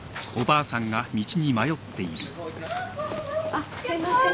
あっすいません。